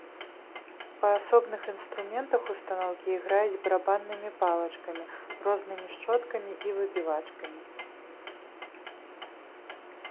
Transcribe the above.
Па асобных інструментах устаноўкі іграюць барабаннымі палачкамі, рознымі шчоткамі і выбівачкамі.